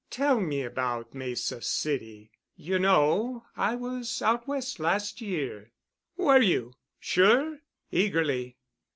"Tell me about Mesa City. You know I was out West last year." "Were you? Sure?" eagerly.